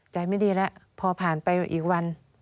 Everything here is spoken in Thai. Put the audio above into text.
ไม่ดีแล้วพอผ่านไปอีกวัน